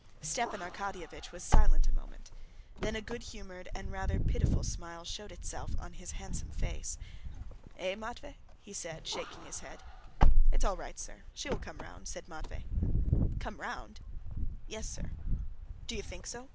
Stepan Arkadyevitch was silent a minute. Then a good humored and rather pitiful smile showed itself on his handsome face. "Eh, Matvey?" he said, shaking his head. "It's all right, sir; she will come round," said Matvey. "Come round?" "Yes, sir." "Do you think so?